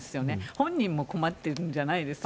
本人も困ってるんじゃないですか。